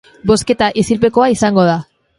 Bozketa isilpekoa izango da.